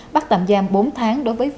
bắt tạm giam bốn tháng